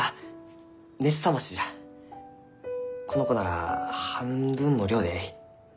この子なら半分の量でえい。